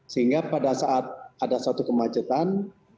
sehingga pada saat ada suatu kemacetan